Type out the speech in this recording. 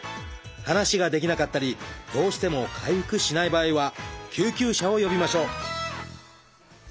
話ができなかったりどうしても回復しない場合は救急車を呼びましょう。